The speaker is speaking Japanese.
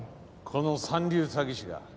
この三流詐欺師が。